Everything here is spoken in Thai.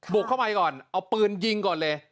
เข้าไปก่อนเอาปืนยิงก่อนเลย